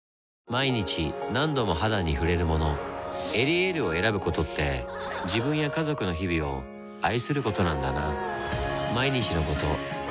毎日何度も肌に触れるもの「エリエール」を選ぶことって自分や家族の日々を愛することなんだなぁ